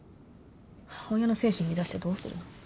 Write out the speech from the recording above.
母親の精神乱してどうするの。